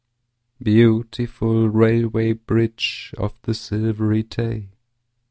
Beautiful Railway Bridge of the Silvery Tay!